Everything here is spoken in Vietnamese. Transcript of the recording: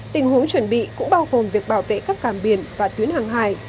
tình huống chuẩn bị cũng bao gồm việc bảo vệ các càm biển và tuyến hàng hải